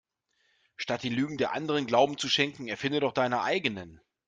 Statt den Lügen der Anderen Glauben zu schenken erfinde doch deine eigenen.